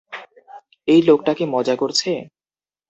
এই লোকটা কি মজা করছে?